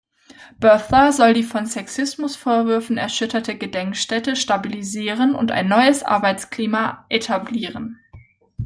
Birthler soll die von Sexismus-Vorwürfen erschütterte Gedenkstätte stabilisieren und ein neues Arbeitsklima etablieren.